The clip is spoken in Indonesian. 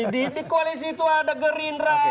di titik koalisi itu ada gerindra ada osb nya